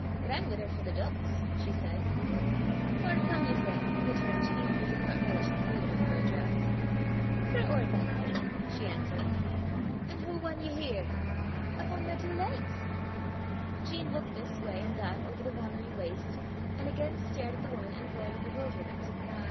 "Gran' wither for the deuks!" she said. "Whaur come ye frae?" returned Jean, who did not relish the freedom of her address. "Frae ower by," she answered. "An' hoo wan ye here?" "Upo' my twa legs." Jean looked this way and that over the watery waste, and again stared at the woman in growing bewilderment.